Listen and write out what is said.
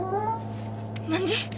何で？